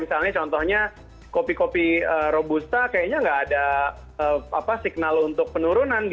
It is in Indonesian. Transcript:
jadi misalnya contohnya kopi kopi robusta kayaknya nggak ada signal untuk penurunan